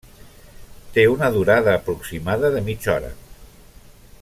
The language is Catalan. Té una durada aproximada de mitja hora.